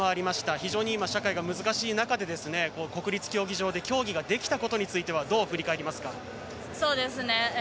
非常に今、社会が難しい中で国立競技場で競技ができたことについてはどう振り返りますか？